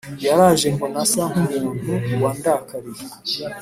Yaraje mbona asa nk’umuntu wandakariye